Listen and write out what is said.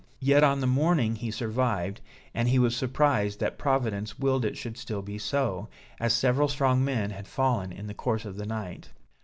Yet on the morning he survived, and he was surprised that Providence willed it should still be so, as several strong men had fallen in the course of the night.